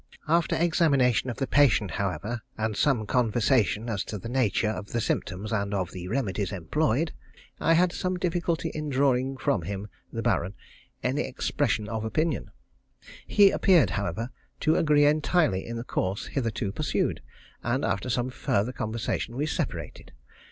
] After examination of the patient, however, and some conversation as to the nature of the symptoms and of the remedies employed, I had some difficulty in drawing from him (the Baron) any expression of opinion. He appeared, however, to agree entirely in the course hitherto pursued, and after some further conversation we separated.